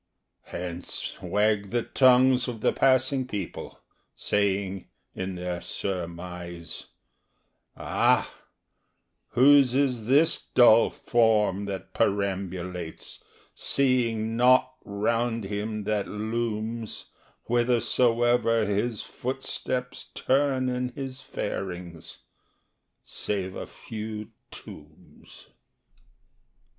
Hence wag the tongues of the passing people, saying In their surmise, "Ah—whose is this dull form that perambulates, seeing nought Round him that looms Whithersoever his footsteps turn in his farings, Save a few tombs?"